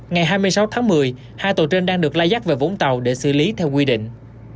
ngày hai mươi sáu tháng một mươi hai tàu trên đang được lai dắt về vũng tàu để xử lý theo quy định